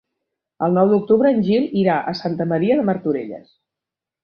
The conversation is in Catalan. El nou d'octubre en Gil irà a Santa Maria de Martorelles.